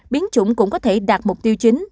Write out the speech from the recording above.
biến chủng cũng có thể đạt mục tiêu chính